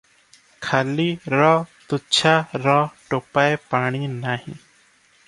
ଖାଲି – ର – ତୁଚ୍ଛା – ର ଟୋପାଏ ପାଣି ନାହିଁ।